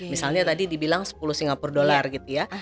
misalnya tadi dibilang sepuluh singapura dollar gitu ya